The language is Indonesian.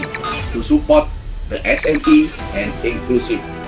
untuk mendukung smp dan kefinansi yang inklusif